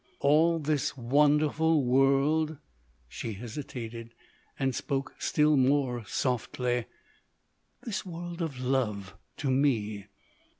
"All this wonderful world" she hesitated, and spoke still more softly "this world of love to me."